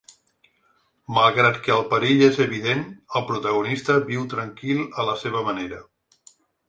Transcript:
Malgrat que el perill és evident, el protagonista viu tranquil a la seva manera.